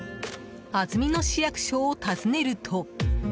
安曇野市役所を訪ねると。